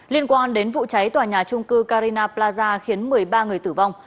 liên quan đến vụ cháy tòa nhà trung cư carina plaza khiến một mươi ba người tử vong